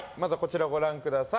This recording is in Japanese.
ご覧ください。